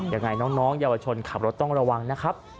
ยังไงน้องเยาวชนขับรถต้องระวังนะครับ